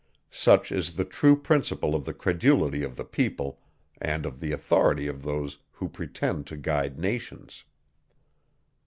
Such is the true principle of the credulity of the people, and of the authority of those, who pretend to guide nations.